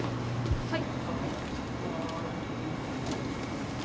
はい。